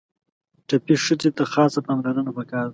ټپي ښځې ته خاصه پاملرنه پکار ده.